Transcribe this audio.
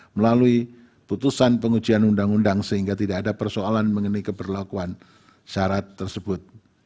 melalui putusan pengujian undang undang sehingga tidak ada persoalan mengenai keberlakuan syarat tersebut